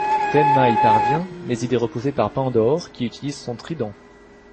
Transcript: Tenma y parvient mais il est repoussé par Pandore qui utilise son trident.